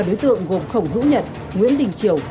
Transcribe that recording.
ba đối tượng gồm khổng hữu nhật nguyễn đình triều